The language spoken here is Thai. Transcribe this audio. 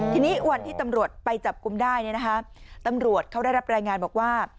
ทีนี้วันที่ตำรวจไปจับกลุ่มได้ตำรวจเขาได้รับรายงานบอกว่า